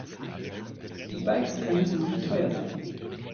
E-Bikes können ziemlich teuer sein.